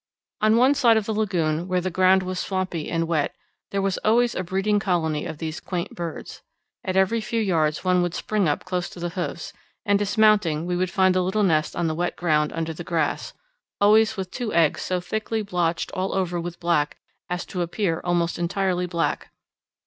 On one side of the lagoon, where the ground was swampy and wet, there was always a breeding colony of these quaint birds; at every few yards one would spring up close to the hoofs, and dismounting we would find the little nest on the wet ground under the grass, always with two eggs so thickly blotched all over with black as to appear almost entirely black.